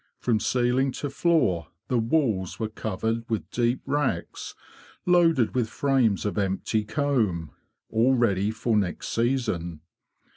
From ceiling to floor the walls were covered with deep racks loaded with frames of empty comb, ll ready for next season.